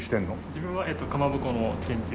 自分はかまぼこの研究。